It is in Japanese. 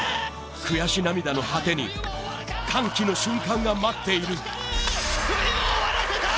悔し涙の果てに歓喜の瞬間が待っている冬を終わらせたー！